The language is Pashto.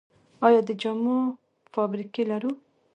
آیا د جامو فابریکې لرو؟